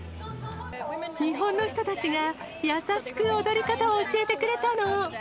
日本の人たちが優しく踊り方を教えてくれたの。